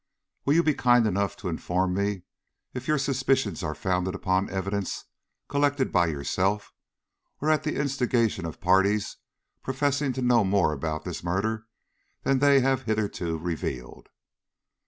Will you be kind enough to inform me if your suspicions are founded upon evidence collected by yourself, or at the instigation of parties professing to know more about this murder than they have hitherto revealed?"